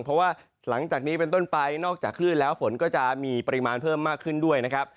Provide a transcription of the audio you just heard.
เพราะว่าหลังจากนี้เป็นต้นไปนอกจากคลื่นแล้วฝนก็จะมีปริมาณเพิ่มมากขึ้นด้วยนะครับ